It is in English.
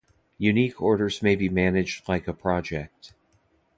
Unique orders may be managed like a project.